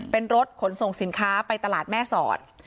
เป็นรถขนส่งสินค้าไปตลาดแม่สอด